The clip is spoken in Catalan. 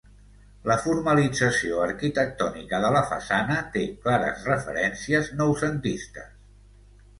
La formalització arquitectònica de la façana té clares referències noucentistes.